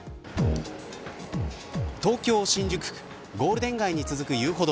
東京、新宿区ゴールデン街に続く遊歩道。